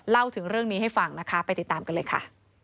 เล่าถึงเรื่องนี้ให้ฟังนะคะไปติดตามกันเลยค่ะ